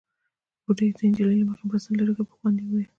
بوډۍ د نجلۍ له مخې بړستن ليرې کړه، په خوند يې وويل: